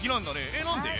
えっ何で？